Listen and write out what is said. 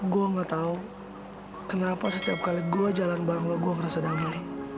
gue gak tau kenapa setiap kali gue jalan bang lo gue ngerasa damai